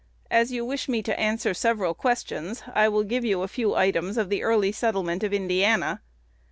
As you wish me to answer several questions, I will give you a few items of the early settlement of Indiana.